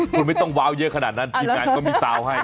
คุณไม่ต้องว้าวเยอะขนาดนั้นทีมงานก็มีซาวน์ให้